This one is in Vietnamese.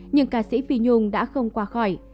nhưng ca sĩ phi nhung đã không qua khỏi